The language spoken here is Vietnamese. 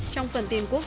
trong phần tin quốc tế